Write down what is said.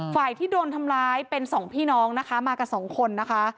ฝ่ายที่โดนทำร้ายเป็นสองพี่น้องนะคะมากับสองคนนะคะ